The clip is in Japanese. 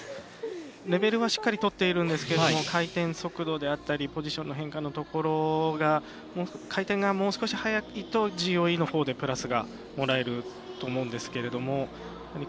レベルはしっかりとっているんですが回転速度であったりポジション変化のところが回転がもう少し速いとＧＯＥのほうでプラスがもらえると思うんですけれども。